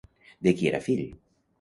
De qui era fill?